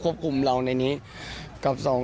ความควบคุมเราในนี้กับสอง